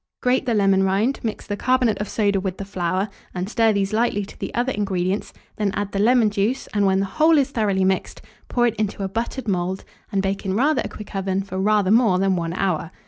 Grate the lemon rind, mix the carbonate of soda with the flour, and stir these lightly to the other ingredients; then add the lemon juice, and, when the whole is thoroughly mixed, pour it into a buttered mould, and bake in rather a quick oven for rather more than 1 hour.